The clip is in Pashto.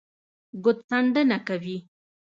ګوتڅنډنه کوي